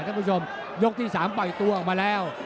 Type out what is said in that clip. ท่านผู้ชมยกที่๓ปล่อยตัวออกมาแล้ว